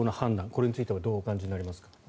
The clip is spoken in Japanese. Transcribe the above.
これについてはどうお感じになりますか？